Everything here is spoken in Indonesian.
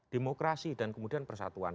demokrasi dan kemudian persatuan